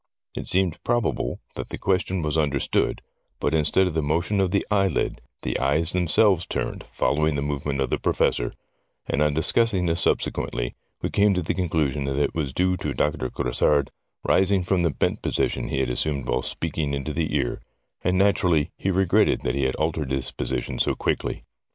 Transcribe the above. It seemed probable that the question was understood, but instead of the motion of the eyelid, the eyes themselves turned, following the movements of the Professor, and on discussing this subsequently we came to the conclusion that it was due to Doctor Grassard rising from the bent position he had assumed while speaking into the ear, and naturally he regretted that he had altered his position so quickly.